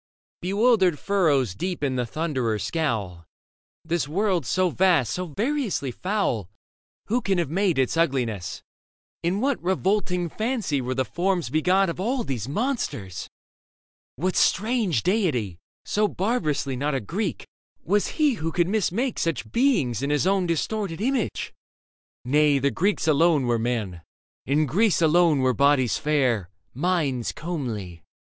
Bewildered furrows deepen the Thunderer's scowl ; This world so vast, so variously foul — I Who can have made its ugliness f In what / Revolting fancy were the Forms begot ' Of all these monsters ? What strange deity — So barbarously not a Greek !— was he Who could mismake such beings in his own V Distorted image. Nay, the Greeks alone Were men ; in Greece alone were bodies fair, Minds comely.